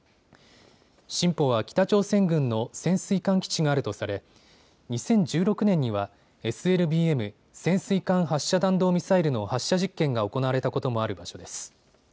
シンポは北朝鮮軍の潜水艦基地があるとされ２０１６年にはＳＬＢＭ・潜水艦発射弾道ミサイルの発射実験が行われたこともある場所です。